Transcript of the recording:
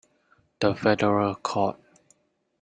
The federal court.